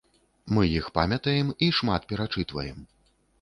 І мы іх памятаем і шмат перачытваем.